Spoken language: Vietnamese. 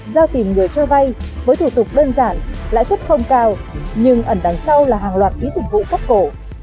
giao tìm người cho vay với thủ tục đơn giản lãi suất không cao nhưng ẩn đằng sau là hàng loạt phí dịch vụ cắt cổ